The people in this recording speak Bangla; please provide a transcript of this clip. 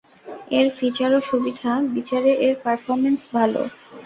এর ফিচার ও সুবিধা বিচারে এর পারফরম্যান্স ভালো।